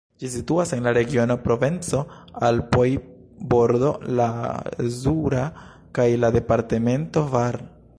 Ĝi situas en la regiono Provenco-Alpoj-Bordo Lazura kaj la departemento Var.